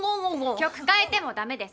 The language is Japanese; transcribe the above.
曲変えてもダメです！